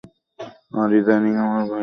আর ইদানীং আমার ভাইয়েরা আরও চঞ্চল হয়ে উঠছে।